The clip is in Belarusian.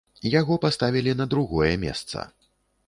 Яго паставілі на другое месца.